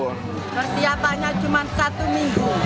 persiapannya cuma satu minggu